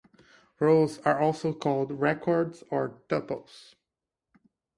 Rows are also called records or tuples.